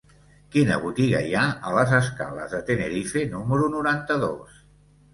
Quina botiga hi ha a les escales de Tenerife número noranta-dos?